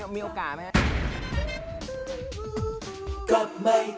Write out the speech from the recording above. สวัสดีครับสวัสดีครับ